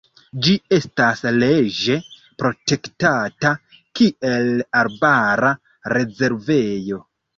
Ĝi estas leĝe protektata kiel arbara rezervejo.